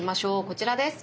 こちらです。